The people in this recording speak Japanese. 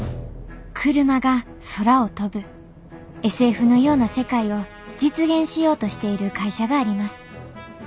ＳＦのような世界を実現しようとしている会社があります。